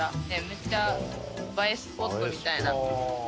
めっちゃ映えスポットみたいな。